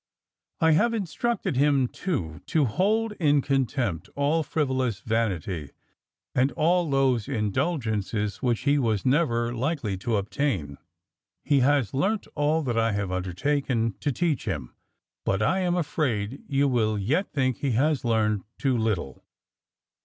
"I have instructed him too, to hold in contempt all frivolous vanity, and all those indulgences which he was never likely to obtain. He has learnt all that I have undertaken to teach him; but I am afraid you will yet think he has learned too little.